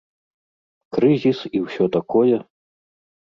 Крызіс і ўсё такое.